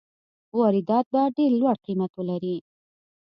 واردات به ډېر لوړ قیمت ولري.